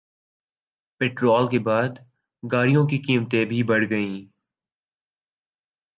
petrol کے بعد گاڑیوں کی قیمتیں بھی بڑھ گئیں